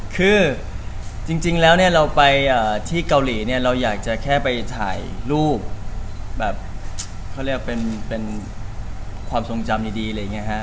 คือจริงแล้วเนี่ยเราไปที่เกาหลีเนี่ยเราอยากจะแค่ไปถ่ายรูปแบบเขาเรียกเป็นความทรงจำดีอะไรอย่างนี้ฮะ